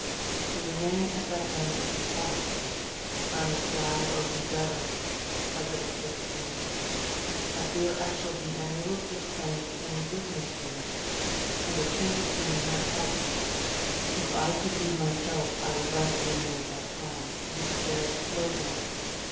To remain as I am is impossible. I must die or be better, as it appears to me. .. I fear 1 shall be unable to attend to any business here, and a change of scene might help me. If I could be myself I would rather remain at home with Judge Logan.